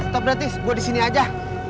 stop udah tis gue disini aja